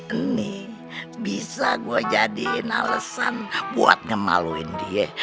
ini bisa gue jadiin alasan buat ngemaluin dia